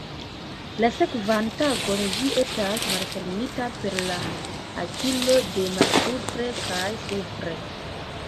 La sekvan tagon ĝi estas malfermita per la hakilo de malsupre kaj supre.